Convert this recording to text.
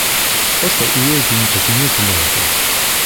Aus der Ehe gingen verschiedene Kinder hervor.